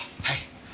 はい。